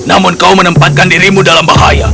namun kau menempatkan dirimu dalam bahaya